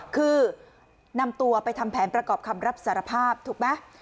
คือนำตัวไปทำแผนประกอบคำรับสารภาพถูกไหม